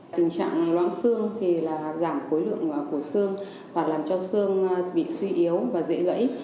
tình trạng loạn xương thì là giảm khối lượng cổ xương và làm cho xương bị suy yếu và dễ gãy